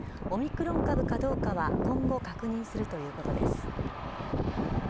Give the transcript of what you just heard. オミクロン株かどうかは今後、確認するということです。